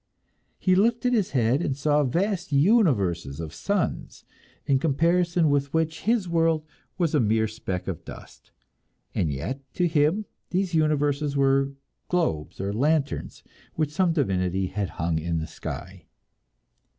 He lifted his head and saw vast universes of suns, in comparison with which his world was a mere speck of dust; yet to him these universes were globes or lanterns which some divinity had hung in the sky.